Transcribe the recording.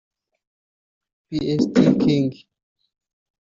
Pst King